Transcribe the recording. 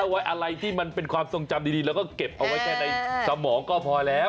เพราะฉะนั้นเอาไว้อะไรที่มันเป็นความทรงจำดีแล้วก็เก็บเอาไว้ในสมองก็พอแล้ว